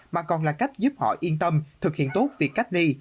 mà còn là cách giúp họ yên tâm thực hiện tốt việc cách ly